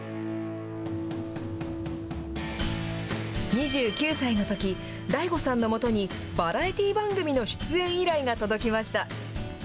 ２９歳のとき、ＤＡＩＧＯさんのもとにバラエティー番組の出演依頼が届きました。